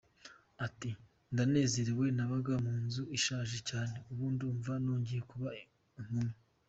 Ati “Ndanezerewe nabaga mu nzu ishaje cyane ubu ndumva nongeye kuba inkumi.